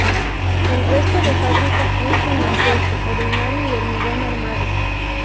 El resto de fábrica es de mampuesto ordinario y hormigón armado.